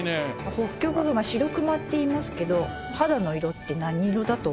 ホッキョクグマシロクマっていいますけど肌の色って何色だと思います？